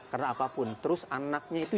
karena apapun terus anaknya itu